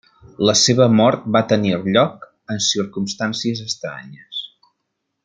La seva mort va tenir lloc en circumstàncies estranyes.